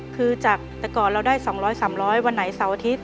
คือจากแต่ก่อนเราได้๒๐๐๓๐๐วันไหนเสาร์อาทิตย